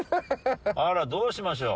あらどうしましょう。